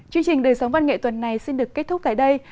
chương trình đời sống văn nghệ tuần này xin được kết thúc tại đây